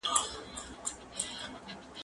کېدای سي بازار ګڼه وي؟!